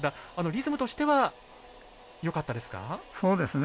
リズムとしてはよかったですか？